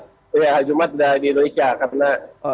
jumat sudah di indonesia karena